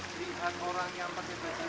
mas lihat orang yang masih berdiri